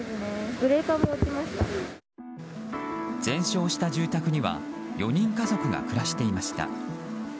全焼した住宅には４人家族が暮らしていました。